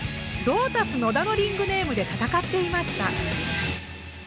ロータス野田のリングネームで戦っていました。